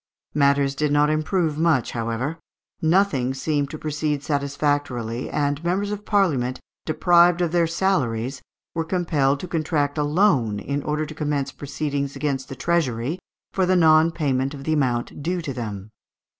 Matters did not improve much, however; nothing seemed to proceed satisfactorily, and members of Parliament, deprived of their salaries, were compelled to contract a loan, in order to commence proceedings against the treasury for the non payment of the amount due to them.